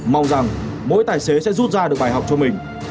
mong rằng mỗi tài xế sẽ rút ra được bài học cho mình